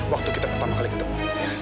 waktu kita pertama kali ketemu